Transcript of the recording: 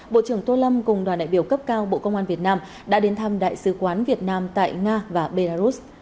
bộ trưởng tô lâm cùng đoàn đại biểu cấp cao bộ công an việt nam đã đến thăm đại sứ quán việt nam tại nga và belarus